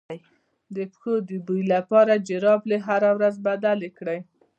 د پښو د بوی لپاره جرابې هره ورځ بدلې کړئ